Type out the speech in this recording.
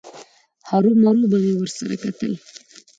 هرومرو به مې ورسره کتل.